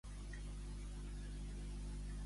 Que va ser Zoar?